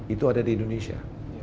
itu ada di indonesia